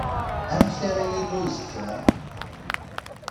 Amek ara yili uzekka?